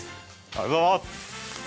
ありがとうございます！